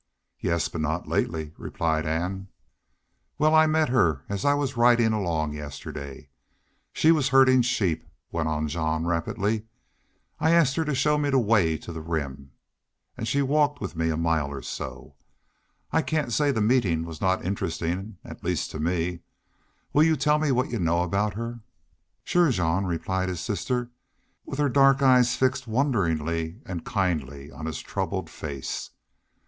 "Yes, but not lately," replied Ann. "Well, I met her as I was ridin' along yesterday. She was herdin' sheep," went on Jean, rapidly. "I asked her to show me the way to the Rim. An' she walked with me a mile or so. I can't say the meetin' was not interestin', at least to me.... Will you tell me what you know about her?" "Sure, Jean," replied his sister, with her dark eyes fixed wonderingly and kindly on his troubled face.